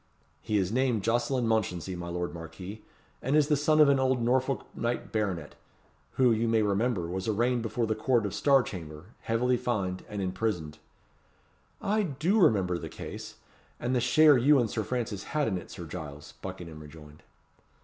"He is named Jocelyn Mounchensey, my lord Marquis; and is the son of an old Norfolk knight baronet, who, you may remember, was arraigned before the Court of Star Chamber, heavily fined, and imprisoned." "I do remember the case, and the share you and Sir Francis had in it, Sir Giles," Buckingham rejoined.